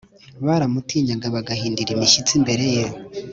Baramutinyaga bagahindira imishyitsi imbere ye